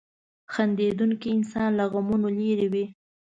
• خندېدونکی انسان له غمونو لرې وي.